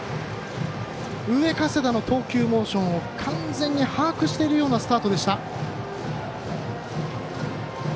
上加世田の投球モーションを完全に把握しているようなスタートでした。